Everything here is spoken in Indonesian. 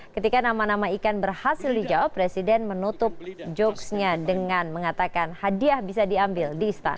ketika nama nama ikan berhasil dijawab presiden menutup jokesnya dengan mengatakan hadiah bisa diambil di istana